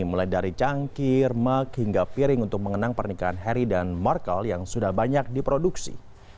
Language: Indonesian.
mulai dari cangkir muk hingga piring untuk mengenang pernikahan harry dan markle yang sudah banyak diproduksi